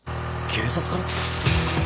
警察から？